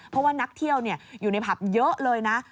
เพราะว่านักเที่ยวอยู่ในผับเยอะเลยนะ